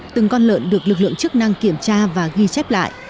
từng con lợn được lực lượng chức năng kiểm tra và ghi chép lại